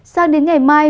sang đến ngày mai